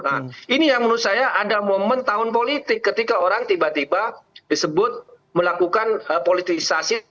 nah ini yang menurut saya ada momen tahun politik ketika orang tiba tiba disebut melakukan politisasi